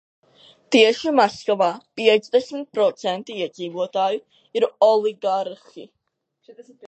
Tieši Maskavā piecdesmit procenti iedzīvotāju ir oligarhi.